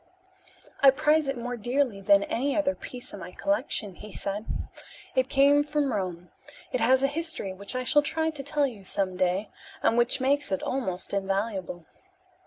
"I prize it more dearly than any other piece in my collection," he said. "It came from Rome; it has a history which I shall try to tell you some day, and which makes it almost invaluable.